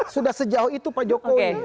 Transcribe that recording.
sudah sejauh itu pak jokowi